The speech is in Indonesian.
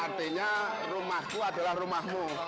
artinya rumahku adalah rumahmu